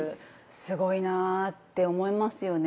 すごいなって思いますよね。